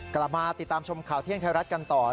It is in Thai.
กลับมาติดตามชมข่าวเที่ยงไทยรัฐกันต่อ